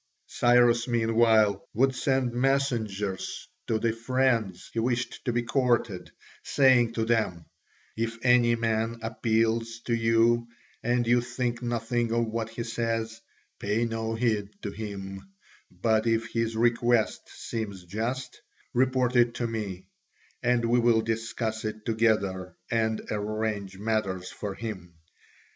Cyrus meanwhile would send messengers to the friends he wished to be courted, saying to them, "If any man appeals to you and you think nothing of what he says, pay no heed to him, but if his request seems just, report it to me, and we will discuss it together and arrange matters for him."